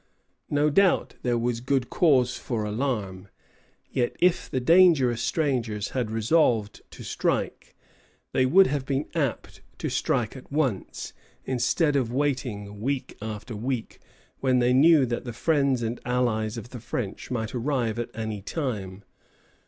No doubt there was good cause for alarm; yet if the dangerous strangers had resolved to strike, they would have been apt to strike at once, instead of waiting week after week, when they knew that the friends and allies of the French might arrive at any time.